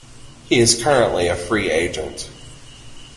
He is currently a free agent.